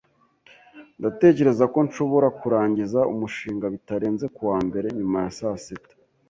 Ndatekereza ko nshobora kurangiza umushinga bitarenze kuwa mbere nyuma ya saa sita.